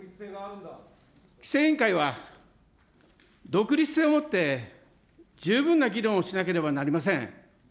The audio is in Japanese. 規制委員会は独立性をもって十分な議論をしなければなりません。